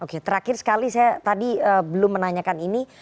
oke terakhir sekali saya tadi belum menanyakan ini